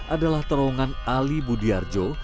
adalah terowongan ali budiarjo